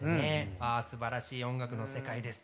ああすばらしい音楽の世界です。